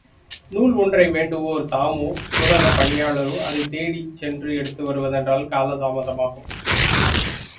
நூல் ஒன்றை வேண்டுவோர், தாமோ, துலகப் பணியாளரோ, அதைத் தேடிச் சென்று எடுத்து வருவதென்றால், காலதாமதமாகும்.